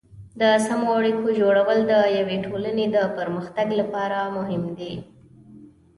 د سمو اړیکو جوړول د یوې ټولنې د پرمختګ لپاره مهم دي.